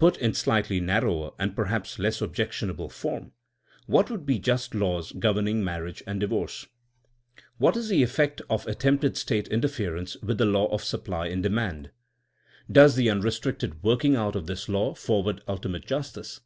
Put in slightly narrower and perhaps less objectionable form: What would be just laws governing marriage and divorce! What is the effect of attempted State inter ference with the law of supply and dema/nd? 216 THINEINa A8 A SOIENOE Does the unrestricted working out of this law forward ultimate justice